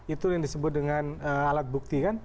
itu yang disebut dengan alat bukti kan